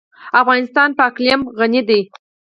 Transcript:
افغانستان په اقلیم غني دی.